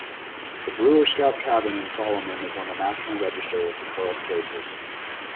The Brewer Scout Cabin in Solomon is on the National Register of Historic Places.